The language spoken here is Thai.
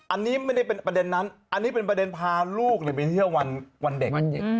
อันนี้ไม่ได้เป็นประเด็นนั้นอันนี้เป็นประเด็นพาลูกไปเที่ยววันเด็กวันเด็ก